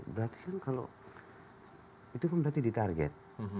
berarti kan kalau itu kan berarti di target